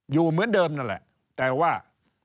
อยู่เหมือนเดิมนั่นแหละแต่ว่า